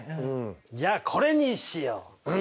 じゃあこれにしよう！